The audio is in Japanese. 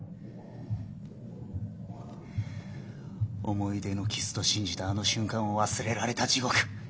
思い出のキスと信じたあの瞬間を忘れられた地獄。